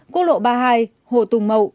quốc lộ ba mươi hai hồ tùng mậu